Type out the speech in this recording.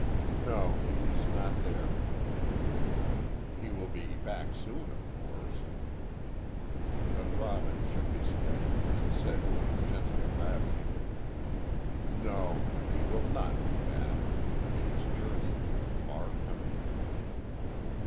"No, he is not there." "He will be back soon, of course." But Robin shook his head, and said with gentle gravity: "No, he will not be back. He has journeyed to a far country."